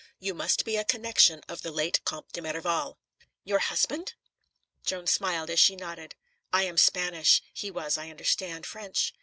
You must be a connection of the late Comte de Merival." "Your husband!" Joan smiled as she nodded. "I am Spanish; he was, I understand, French.